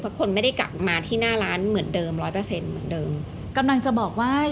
เพราะคนไม่ได้กลับมาที่หน้าร้านเหมือนเดิมร้อยเปอร์เซ็นต์เหมือนเดิมกำลังจะบอกว่า